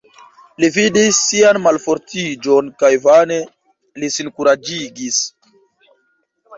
Li vidis sian malfortiĝon kaj vane li sin kuraĝigis.